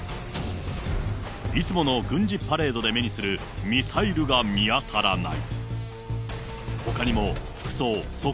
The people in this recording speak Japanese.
いつもの軍事パレードで目にするミサイルが見当たらない。